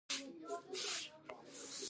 د غور فیروزکوه د اسیا تر ټولو لوړ ښار و